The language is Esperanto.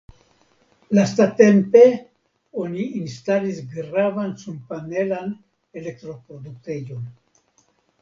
Lastatempe oni instalis gravan sunpanelan elektroproduktejon.